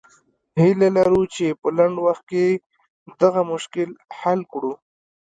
هیله لرو چې په لنډ وخت کې دغه مشکل حل کړو.